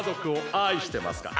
愛してます。